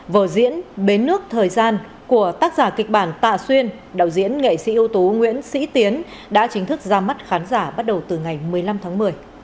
vở diễn bến nước thời gian của tác giả kịch bản tạ xuyên đạo diễn nghệ sĩ ưu tú nguyễn sĩ tiến đã chính thức ra mắt khán giả bắt đầu từ ngày một mươi năm tháng một mươi